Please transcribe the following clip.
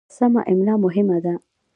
سمه املا مهمه ده.